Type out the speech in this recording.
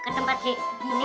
ke tempat ini